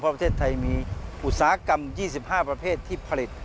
ประเทศไทยมีอุตสาหกรรม๒๕ประเภทที่ผลิต